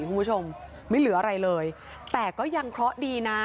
คุณผู้ชมไม่เหลืออะไรเลยแต่ก็ยังเคราะห์ดีนะ